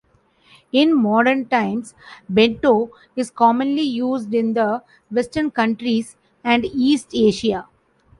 In modern times, Bento is commonly used in The Western countries and East Asia.